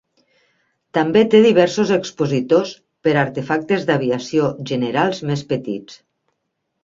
També té diversos expositors per artefactes d'aviació generals més petits.